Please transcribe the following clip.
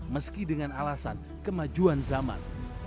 meski dengan alasan kemajuan zaman